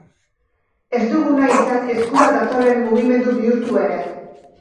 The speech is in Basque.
Ez dugu nahi izan eskura datorren mugimendu bihurtu ere.